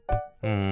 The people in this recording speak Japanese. うん。